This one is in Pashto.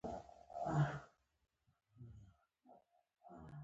خطر د هرې پانګونې مهم عنصر دی.